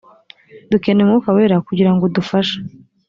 dukeneye umwuka wera kugira ngo udufashe